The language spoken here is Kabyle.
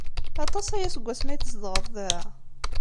Aṭas aya seg wasmi ay tzedɣeḍ da?